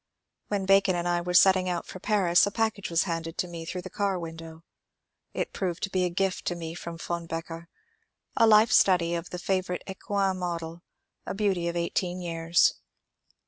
When Bacon and I were setting out for Paris a package was handed to me through the car window. It proved to be a gift to me from Von Becker — a life study of the favorite Eoouen model, a beauty of eighteen years.